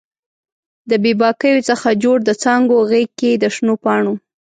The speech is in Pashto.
د بې باکیو څخه جوړ د څانګو غیږ کې د شنو پاڼو